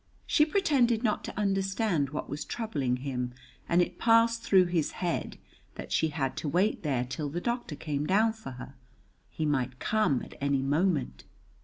She pretended not to understand what was troubling him, and it passed through his head that she had to wait there till the doctor came down for her. He might come at any moment.